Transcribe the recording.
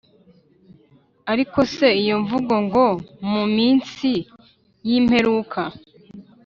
Ariko se iyo mvugo ngo mu minsi y imperuka